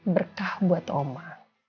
berkah buat oma